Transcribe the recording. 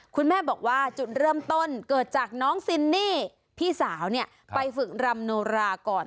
คุณแม่บอกว่าจุดเริ่มต้นเกิดจากน้องซินนี่พี่สาวไปฝึกรำโนราก่อน